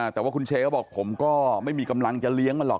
แต่ว่าคุณเชก็บอกผมก็ไม่มีกำลังจะเลี้ยงมันหรอก